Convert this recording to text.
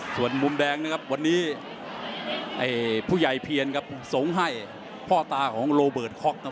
ส่วนมุมแดงนะครับวันนี้ไอ้ผู้ใหญ่เพียนครับส่งให้พ่อตาของโรเบิร์ตค็อกนะครับ